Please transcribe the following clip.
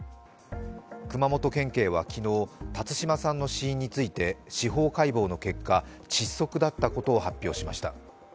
熊本県警は辰島さんの死因について司法解剖の結果、窒息だったことを発表しました。